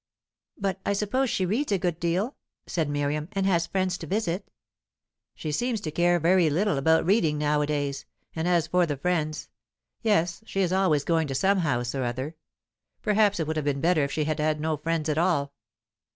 "But I suppose she reads a good deal?" said Miriam; "and has friends to visit?" "She seems to care very little about reading nowadays. And as for the friends yes, she is always going to some house or other. Perhaps it would have been better if she had had no friends at all."